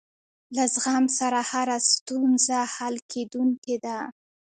له زغم سره هره ستونزه حل کېدونکې ده.